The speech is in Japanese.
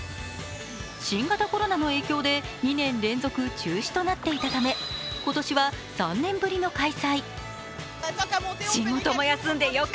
新型コロナの影響で２年連続中止となっていたため今年は３年ぶりの開催。